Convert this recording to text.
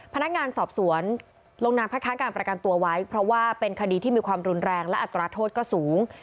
พนักงานสอบสวนลงนามคัดค้างการประกันตัวไว้เพราะว่าเป็นคดีที่มีความรุนแรงและอัตราโทษก็สูง